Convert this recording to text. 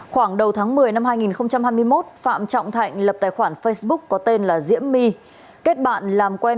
khoảng đầu tháng một mươi năm hai nghìn hai mươi một phạm trọng thạnh lập tài khoản facebook có tên là diễm my kết bạn làm quen